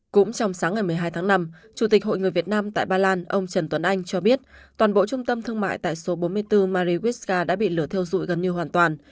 cũng trong sáng ngày một mươi hai tháng năm chủ tịch hội người việt nam tại ba lan ông trần tuấn anh cho biết toàn bộ trung tâm thương mại tại số bốn mươi bốn mariska đã bị lửa theo dụi gần như hoàn toàn